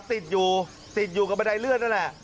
ติดอยู่กับบันไดเลื่อนนั่นแหละ